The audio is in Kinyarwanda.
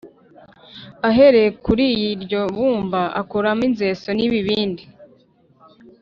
ahereye kuri iryo bumba, akoramo inzeso n’ibibindi